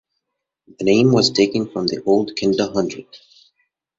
The name was taken from the old Kinda Hundred.